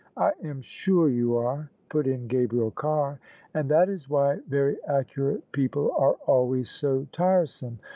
" I am sure you are," put in Gabriel Carr; "and that is why very accurate people are always so tiresome.